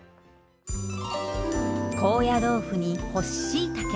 高野豆腐に干ししいたけ